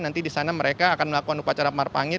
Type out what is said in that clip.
nanti di sana mereka akan melakukan upacara marpangir